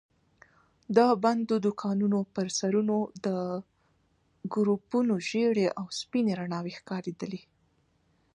د بندو دوکانونو پر سرونو د ګروپونو ژېړې او سپينې رڼا وي ښکارېدلې.